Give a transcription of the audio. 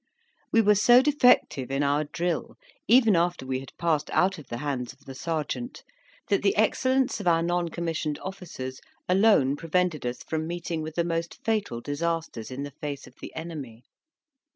We were so defective in our drill, even after we had passed out of the hands of the sergeant, that the excellence of our non commissioned officers alone prevented us from meeting with the most fatal disasters in the face of the enemy.